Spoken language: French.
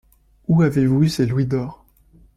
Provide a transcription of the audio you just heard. Où avez-vous eu ces louis d’or?